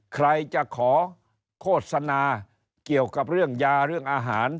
ใครจะขอโฆษณาเกี่ยวกับเรื่องยาเรื่องอาหาร